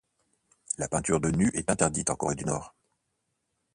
La peinture de nus est interdite en Corée du Nord.